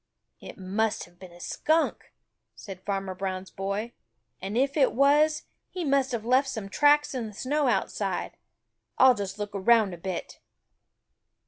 "It must have been a Skunk," said Farmer Brown's boy, "and if it was, he must have left some tracks in the snow outside. I'll just look around a bit."